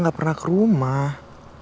mak emang ke rumah